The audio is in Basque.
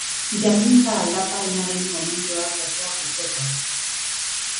Jakintza aldaparenaren gomendioak gozoak uzteko.